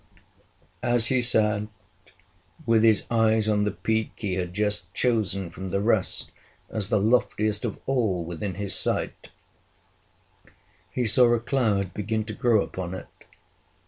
As he sat, with his eyes on the peak he had just chosen from the rest as the loftiest of all within his sight, he saw a cloud begin to grow upon it.